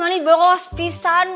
ini berus pisang